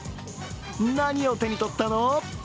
何を手にとったの？